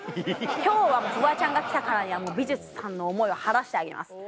今日はフワちゃんが来たからには美術さんの思いを晴らしてあげます。